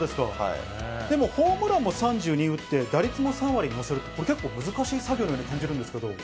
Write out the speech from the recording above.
でも、ホームランも３２打って、打率も３割乗せるって、これ、結構難しい作業のように感じるんですけれども。